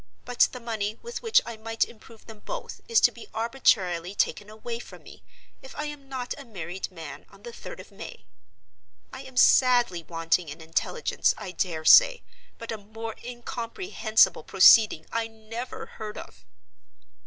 But the money with which I might improve them both is to be arbitrarily taken away from me, if I am not a married man on the third of May. I am sadly wanting in intelligence, I dare say, but a more incomprehensible proceeding I never heard of!"